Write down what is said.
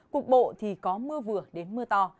cục bộ thì có mưa vừa đến mưa to